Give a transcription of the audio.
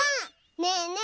ねえねえ